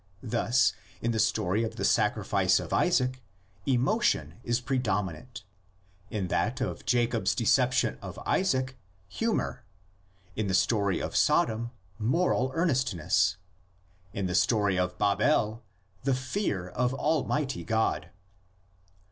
Thus, in the story of the sacrifice of Isaac, emotion is predomi nant; in that of Jacob's deception of Isaac, humor; in the story of Sodom, moral earnestness; in the story of Babel, the fear of Almighty God.